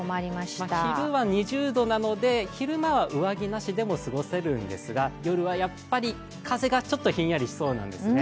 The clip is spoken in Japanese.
昼は２０度なので上着なしでも過ごせるんですが夜はやっぱり風がちょっとひんやりしそうなんですね。